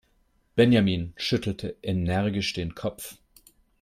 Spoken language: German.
Benjamin schüttelte energisch den Kopf.